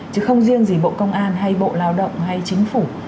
chứ không riêng gì bộ công an hay bộ lao động hay chính phủ